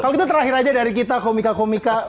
kalau gitu terakhir aja dari kita komika komika waspada ini ya